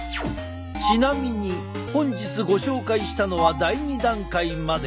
ちなみに本日ご紹介したのは第２段階まで。